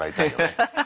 フハハハ。